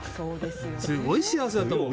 すごい幸せだと思う。